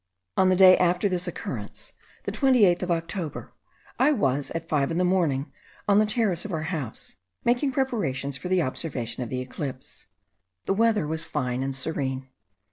On the day after this occurrence, the 28th of October, I was, at five in the morning, on the terrace of our house, making preparations for the observation of the eclipse. The weather was fine and serene.